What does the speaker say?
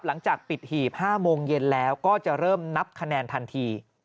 หลังจากปิดหีบ๕โมงเย็นแล้วก็จะเริ่มนับคะแนนทันที